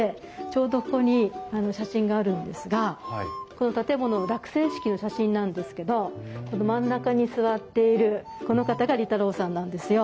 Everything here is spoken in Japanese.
ちょうどここに写真があるんですがこの建物の落成式の写真なんですけどこの真ん中に座っているこの方が利太郎さんなんですよ。